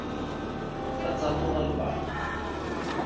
Ad tafeḍ albaɛḍ.